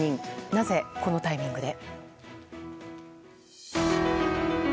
なぜ、このタイミングで？